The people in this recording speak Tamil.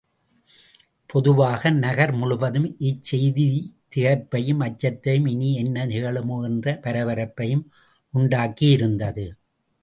பொதுவாக நகர் முழுதும் இச் செய்தி திகைப்பையும் அச்சத்தையும் இனி என்ன நிகழுமோ? என்ற பர பரப்பையும் உண்டாக்கியிருந்தது.